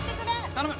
頼む。